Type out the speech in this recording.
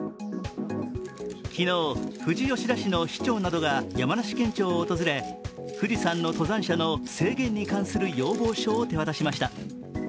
昨日、富士吉田市の市長などが山梨県庁を訪れ富士山の登山者の制限に関する要望書を手渡しました。